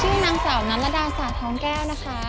ชื่อนางสาวนัตรรดาสาท้องแก้วนะคะ